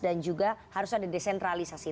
dan juga harus ada desentralisasi